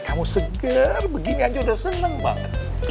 kamu seger begini aja udah seneng banget